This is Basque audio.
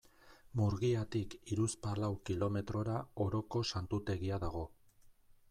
Murgiatik hiruzpalau kilometrora Oroko Santutegia dago.